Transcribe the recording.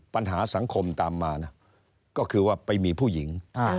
ปัญหาสังคมตามมานะก็คือว่าไปมีผู้หญิง